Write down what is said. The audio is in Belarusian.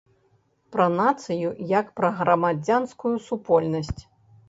Пра нацыю, як пра грамадзянскую супольнасць.